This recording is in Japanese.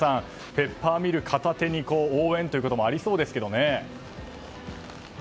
ペッパーミル片手に応援ということもありそうですけどね。